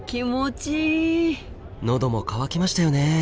喉も渇きましたよね。